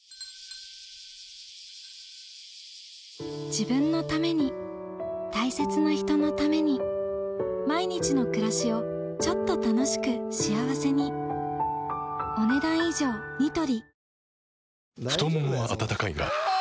自分のために大切な人のために毎日の暮らしをちょっと楽しく幸せに太ももは温かいがあ！